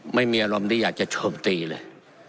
ไม่มีอารมณ์ที่อยากจะโจมตีเลย